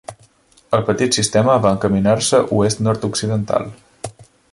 El petit sistema va encaminar-se oest-nord-occidental.